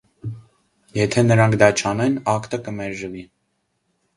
Եթե նրանք դա չանեն, ակտը կմերժվի։